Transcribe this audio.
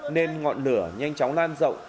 nên ngọn lửa nhanh chóng lan rộng